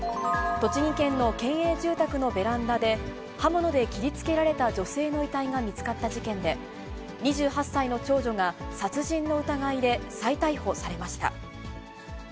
栃木県の県営住宅のベランダで、刃物で切りつけられた女性の遺体が見つかった事件で、２８歳の長女が、殺人の疑いで再逮捕されました。